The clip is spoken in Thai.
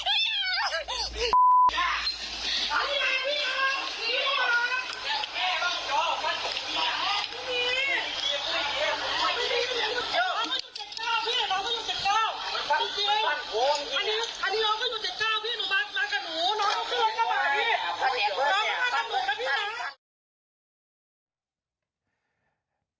น้องเข้ามากับหนูนะพี่น้องมากับหนูนะพี่น้อง